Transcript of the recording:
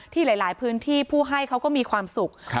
ที่หลายหลายพื้นที่ผู้ให้เขาก็มีความสุขครับ